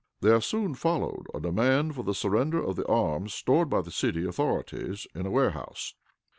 There soon followed a demand for the surrender of the arms stored by the city authorities in a warehouse.